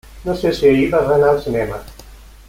No sé si ahir vas anar al cinema.